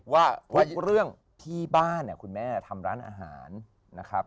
ว่าทุกเรื่องที่บ้านเนี่ยคุณแม่ทำร้านอาหารนะครับ